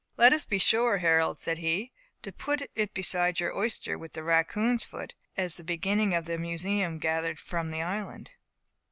"Let us be sure, Harold," said he, "to put it beside your oyster, with the raccoon's foot, as the beginning of a museum gathered from the island."